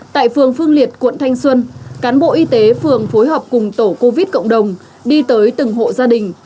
tại phường phương liệt quận thanh xuân cán bộ y tế phường phối hợp cùng tổ covid cộng đồng đi tới từng hộ gia đình